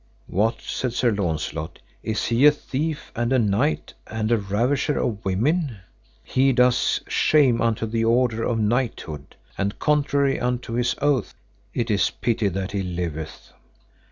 What, said Sir Launcelot, is he a thief and a knight and a ravisher of women? he doth shame unto the order of knighthood, and contrary unto his oath; it is pity that he liveth.